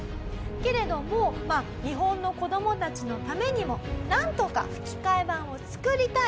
けれども日本の子どもたちのためにもなんとか吹き替え版を作りたい。